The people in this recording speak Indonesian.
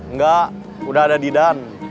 nggak udah ada didan